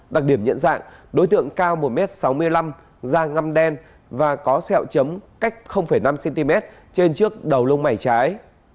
đặc điểm nhận dạng đối tượng cao một m sáu mươi năm da ngâm đen và có sẹo chấm cách năm cm trên trước đầu lông mày trái